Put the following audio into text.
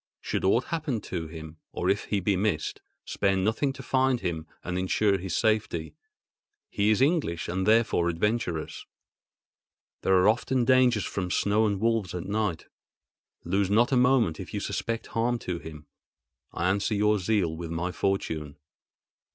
Should aught happen to him, or if he be missed, spare nothing to find him and ensure his safety. He is English and therefore adventurous. There are often dangers from snow and wolves and night. Lose not a moment if you suspect harm to him. I answer your zeal with my fortune.